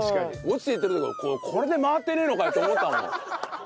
落ちていってる時これで回ってねえのかって思ったもん。